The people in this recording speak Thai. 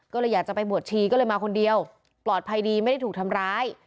ก็เลยอยากจะไปบวชชีก็เลยมาคนเดียวปลอดภัยดีไม่ได้ถูกทำร้าย